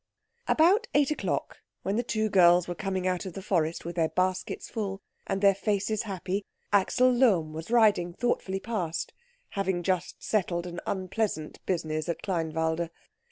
About eight o'clock, when the two girls were coming out of the forest with their baskets full and their faces happy, Axel Lohm was riding thoughtfully past, having just settled an unpleasant business at Kleinwalde.